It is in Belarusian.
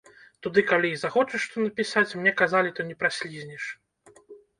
Туды калі і захочаш што напісаць, мне казалі, то не праслізнеш.